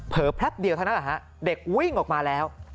แพลบเดียวเท่านั้นแหละฮะเด็กวิ่งออกมาแล้ว